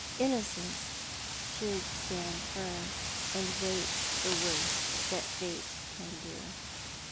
Innocence should stand firm, and wait the worst that Fate can do.